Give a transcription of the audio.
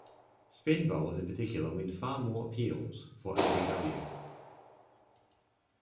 Spin bowlers in particular win far more appeals for lbw.